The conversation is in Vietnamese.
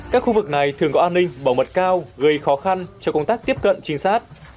các khu vực này thường có an ninh bảo mật cao gây khó khăn cho công tác tiếp cận trinh sát